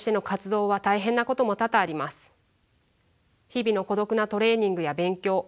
日々の孤独なトレーニングや勉強。